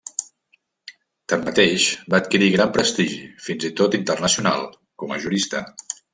Tanmateix, va adquirir gran prestigi, fins i tot internacional, com a jurista.